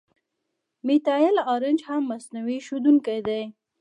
میتایل آرنج هم مصنوعي ښودونکی دی.